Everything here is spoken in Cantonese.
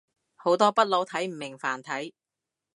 好多北佬睇唔明繁體